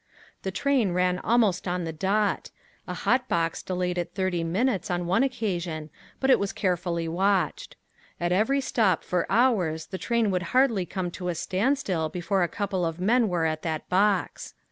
The train ran almost on the dot. A hotbox delayed it thirty minutes on one occasion but it was carefully watched. At every stop for hours the train would hardly come to a standstill before a couple of men were at that box.